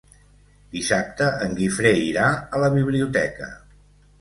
Dissabte en Guifré irà a la biblioteca.